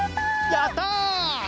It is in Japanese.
やった！